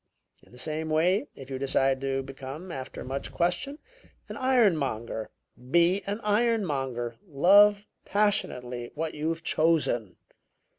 In the same way, if you decide to become, after much question, an ironmonger, be an ironmonger. Love passionately what you've chosen.